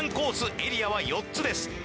エリアは４つです